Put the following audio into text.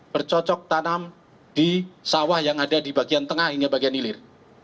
bercocok tanam di sawah yang ada di bagian tengah hingga bagian hilir